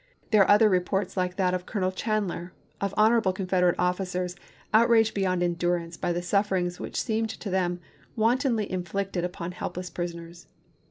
There are other reports, like that of Colonel Chan dler, of honorable Confederate officers outraged beyond endurance by the sufferings which seemed to them wantonly inflicted upon helpless prisoners.